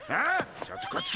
⁉ちょっとこっち来い！